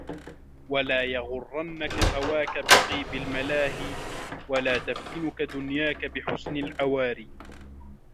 وَلَا يَغُرَّنَّكَ هَوَاك بِطَيِّبِ الْمَلَاهِي وَلَا تَفْتِنُك دُنْيَاك بِحُسْنِ الْعَوَارِيّ